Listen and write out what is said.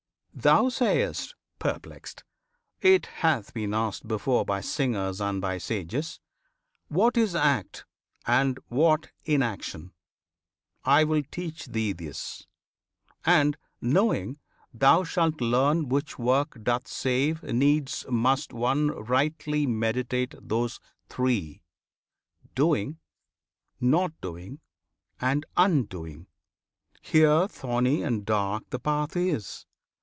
Thou sayst, perplexed, It hath been asked before By singers and by sages, "What is act, And what inaction? "I will teach thee this, And, knowing, thou shalt learn which work doth save Needs must one rightly meditate those three Doing, not doing, and undoing. Here Thorny and dark the path is!